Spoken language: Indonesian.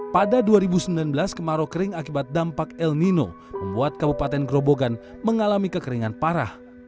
pada dua ribu sembilan belas kemarau kering akibat dampak el nino membuat kabupaten grobogan mengalami kekeringan parah